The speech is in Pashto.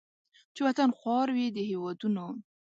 چې وطن خوار وي د هیوادونو